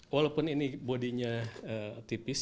walaupun bodinya tipis